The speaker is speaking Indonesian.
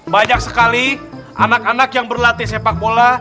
banyak sekali anak anak yang berlatih sepak bola